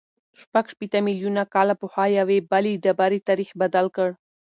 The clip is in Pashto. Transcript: شپږ شپېته میلیونه کاله پخوا یوې بلې ډبرې تاریخ بدل کړ.